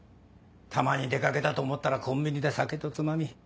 たまに出かけたと思ったらコンビニで酒とつまみ。